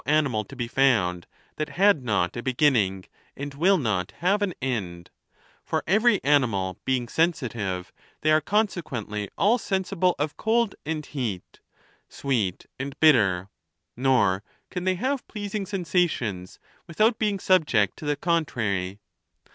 329 animal to be found that had not a beginning, and will not have an end ; for every animal being sensitive, they are consequently all sensible of cold and heat, sweet and bit ter; nor can they have pleasing sensations without being subject to the contrai y.